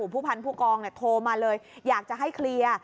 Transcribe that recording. ผู้พันธ์ผู้กองโทรมาเลยอยากจะให้เคลียร์